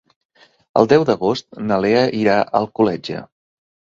El deu d'agost na Lea irà a Alcoletge.